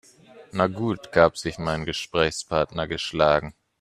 "Na gut", gab sich mein Gesprächspartner geschlagen.